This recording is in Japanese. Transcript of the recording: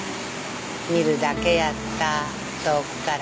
見るだけやった遠くから。